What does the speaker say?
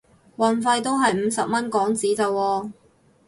運費都係五十蚊港紙咋喎